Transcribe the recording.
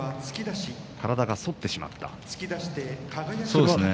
体が反ってしまった。